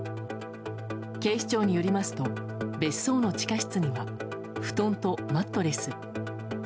警視庁によりますと別荘の地下室には布団とマットレス。